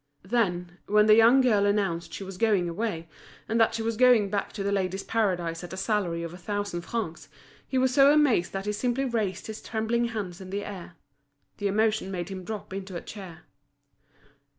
Then, when the young girl announced she was going away, and that she was going back to The Ladies' Paradise at a salary of a thousand francs, he was so amazed that he simply raised his trembling hands in the air. The emotion made him drop into a chair.